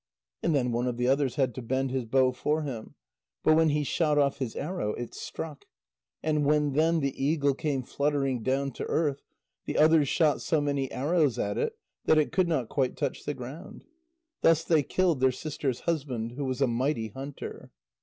And then one of the others had to bend his bow for him. But when he shot off his arrow, it struck. And when then the eagle came fluttering down to earth, the others shot so many arrows at it that it could not quite touch the ground. Thus they killed their sister's husband, who was a mighty hunter.